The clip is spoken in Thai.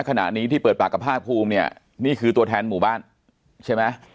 ขณะนี้ที่เปิดปากกับภาคภูมิเนี่ยนี่คือตัวแทนหมู่บ้านใช่ไหม